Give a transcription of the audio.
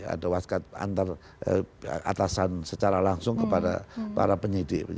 ada waskat antar atasan secara langsung kepada para penyidik